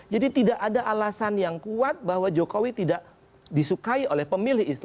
jadi tidak ada alasan yang kuat bahwa jokowi tidak disukai oleh pemilih islam